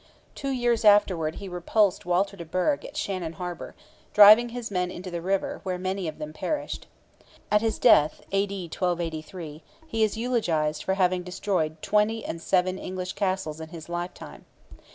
Two years afterwards he repulsed Walter de Burgh at Shannon harbour, driving his men into the river, where many of them perished. At his death (A.D. 1283) he is eulogized for having destroyed seven and twenty English castles in his lifetime.